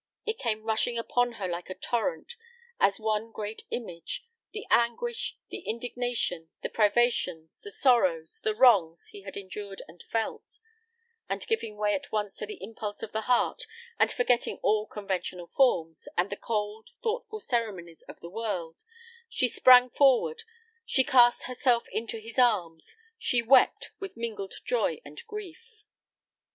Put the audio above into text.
It came rushing upon her like a torrent, as one great image, the anguish, the indignation, the privations, the sorrows, the wrongs he had endured and felt; and giving way at once to the impulse of the heart, and forgetting all conventional forms, and the cold, thoughtful ceremonies of the world, she sprang forward, she cast herself into his arms, she wept with mingled joy and grief.